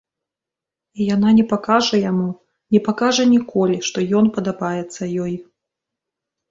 І яна не пакажа яму, не пакажа ніколі, што ён падабаецца ёй.